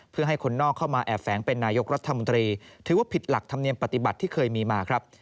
เพื่อให้คนนอกเข้ามาแอบแฝงเป็นนายกรัฐมนตรีถือว่าผิดหลักธรรมเนียมปฏิบัติที่เคยมีมาครับ